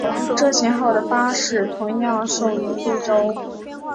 这型号的巴士同样售予非洲。